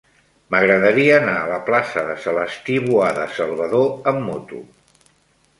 M'agradaria anar a la plaça de Celestí Boada Salvador amb moto.